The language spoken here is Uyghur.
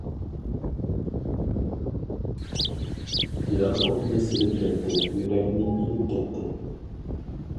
يار ئوتنى سېلىپ كەتتى، يۈرەكنى ئېلىپ كەتتى.